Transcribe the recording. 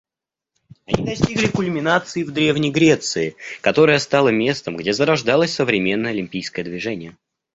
Они достигли кульминации в древней Греции, которая стала местом, где зарождалось современное Олимпийское движение.